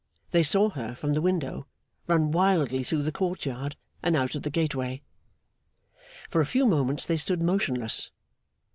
They saw her, from the window, run wildly through the court yard and out at the gateway. For a few moments they stood motionless.